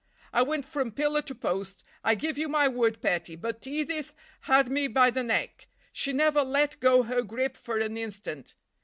I went from pillar to post, I give you my word, petty, but Edith had me by the neck; she never let go her grip for an instant.